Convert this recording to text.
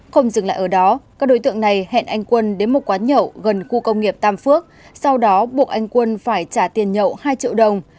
không dừng lại ở đó các đối tượng này hẹn anh quân đến một quán nhậu gần khu công nghiệp tam phước sau đó buộc anh quân phải trả tiền nhậu hai triệu đồng